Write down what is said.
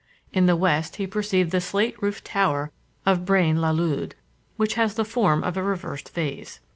In the west he perceived the slate roofed tower of Braine l'Alleud, which has the form of a reversed vase.